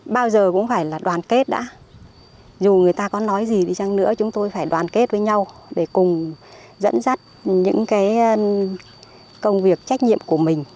bao giờ cũng phải là đoàn kết đã dù người ta có nói gì đi chăng nữa chúng tôi phải đoàn kết với nhau để cùng dẫn dắt những công việc trách nhiệm của mình